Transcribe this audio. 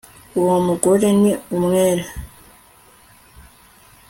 uwo mugore ni umwere